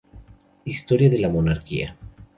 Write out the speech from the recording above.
Historia de la Monarquía".